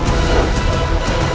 saya tahu sudah